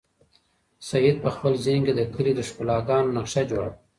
سعید په خپل ذهن کې د کلي د ښکلاګانو نقشه جوړه کړه.